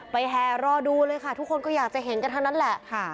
แห่รอดูเลยค่ะทุกคนก็อยากจะเห็นกันทั้งนั้นแหละ